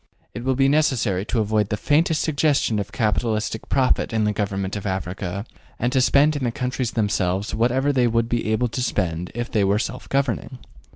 It will be necessary to avoid the faintest suggestion of capitalistic profit in the government of Africa, and to spend in the countries themselves whatever they would be able to spend if they were self governing.